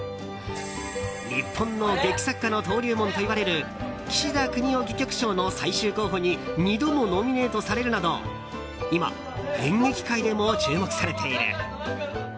日本の劇作家の登竜門をいわれる岸田國士戯曲賞の最終候補に２度もノミネートされるなど今、演劇界でも注目されている。